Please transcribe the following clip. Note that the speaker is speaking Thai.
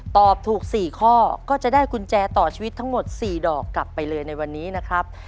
ตอบถูก๔ข้อก็จะได้กุญแจต่อชีวิตทั้งหมด๔ดอกกลับไปเลยในวันนี้นะครับ